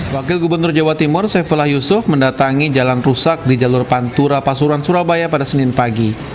wakil gubernur jawa timur saifullah yusuf mendatangi jalan rusak di jalur pantura pasuruan surabaya pada senin pagi